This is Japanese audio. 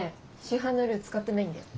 市販のルー使ってないんだよ。